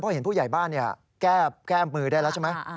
เพราะเห็นผู้ใหญ่บ้านแก้มมือได้แล้วใช่ไหม